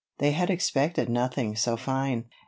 They had expected nothing so fine.